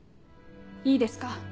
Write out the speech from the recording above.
いいですか？